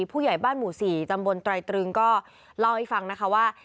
ผู้ใหญ่บ้านหมู่๔ตำบลไตรตรึงก็เล่าให้ฟังนะคะว่า